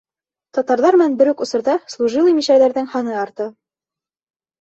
Татарҙар менән бер үк осорҙа служилый мишәрҙәрҙең һаны арта.